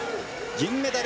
銀メダル